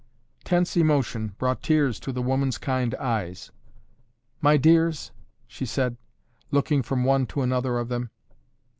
Tense emotion brought tears to the woman's kind eyes. "My dears," she said, looking from one to another of them.